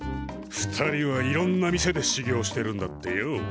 ２人はいろんな店でしゅぎょうしてるんだってよ。